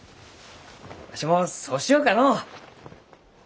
わしもそうしようかのう。